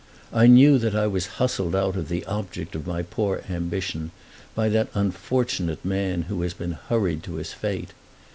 I knew that I was hustled out of the object of my poor ambition by that unfortunate man who has been hurried to his fate.